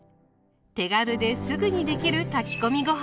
手軽ですぐにできる炊き込みご飯